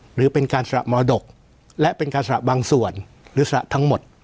หรือเป็นการสละมรดกและเป็นการสระบางส่วนหรือสละทั้งหมด